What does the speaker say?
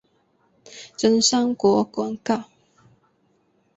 真三国广告。